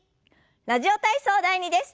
「ラジオ体操第２」です。